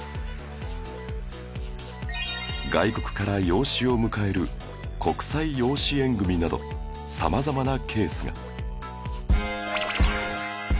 外国から養子を迎える国際養子縁組など様々なケースが